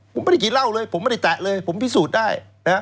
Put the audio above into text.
ผมไม่ได้กินเหล้าเลยผมไม่ได้แตะเลยผมพิสูจน์ได้นะ